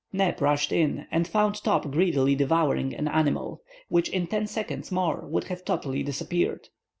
Neb rushed in, and found Top greedily devouring an animal, which in ten seconds more would have totally disappeared.